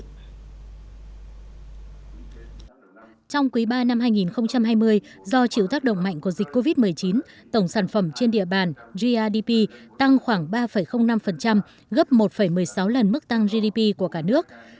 trong quý ba năm hai nghìn hai mươi do chịu tác động mạnh của dịch covid một mươi chín tổng sản phẩm trên địa bàn grdp tăng khoảng ba năm gấp một một mươi sáu lần mức tăng gdp của cả nước